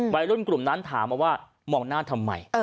วัยรุ่นกลุ่มนั้นถามมาว่ามองหน้าทำไม